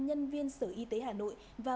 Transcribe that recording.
nhân viên sở y tế hà nội và